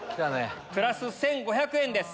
プラス１５００円です。